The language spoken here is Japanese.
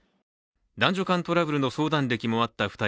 男女間トラブルの相談歴もあった２人。